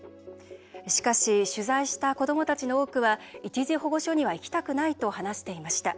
しかし取材した子どもたちの多くは一時保護所には行きたくないと話していました。